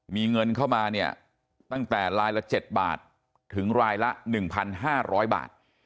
มีเงินเข้ามาเนี่ยตั้งแต่รายละเจ็ดบาทถึงรายละหนึ่งพันห้าร้อยบาท